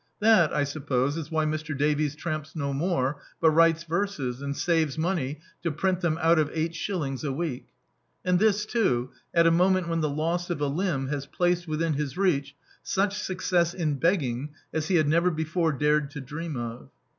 That, I sup pose, is why Mr. Davies tramps no more, but writes verses and saves money to print them out of eight shillings a week. And this, too, at a moment when the loss of a limb has placed within his reach sudi success in begging as he had never before dared to dream of!